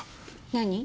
何？